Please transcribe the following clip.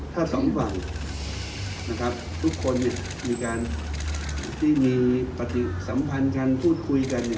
ถ้าสองฝั่งนะครับทุกคนมีการที่มีปฏิสัมพันธ์กันพูดคุยกัน